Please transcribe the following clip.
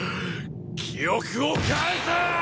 記憶を返せ！